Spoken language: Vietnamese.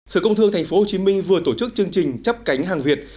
sở công thương tp hcm vừa tổ chức chương trình chấp cánh hàng việt